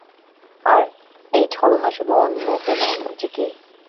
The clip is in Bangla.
আর, এই ছলনা শুধু অন্যকে নয়, নিজেকে।